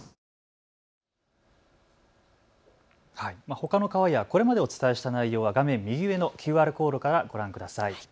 ほかの川やこれまでお伝えした内容は画面右上のＱＲコードからご覧ください。